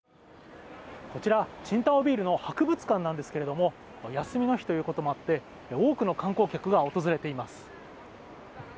こちら、青島ビールの博物館なんですけれども休みの日ということもあって多くの観光客が訪れています。